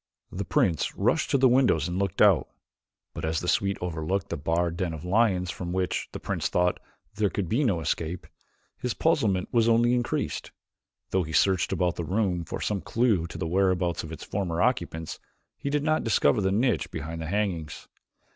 The prince rushed to the windows and looked out, but as the suite overlooked the barred den of lions from which, the prince thought, there could be no escape, his puzzlement was only increased. Though he searched about the room for some clue to the whereabouts of its former occupants he did not discover the niche behind the hangings.